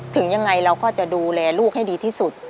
ถึงยังไงเราก็จะดูแลลูกให้ดีที่สุด